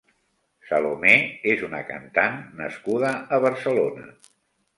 Salomé és una cantant nascuda a Barcelona.